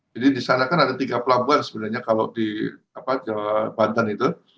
jadi di sana kan ada tiga pelabuhan sebenarnya kalau di jawa banten itu